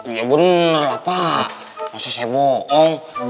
ya bener lah pak prosesnya bohong